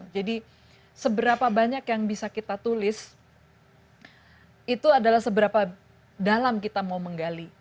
jadi seberapa banyak yang bisa kita tulis itu adalah seberapa dalam kita mau menggali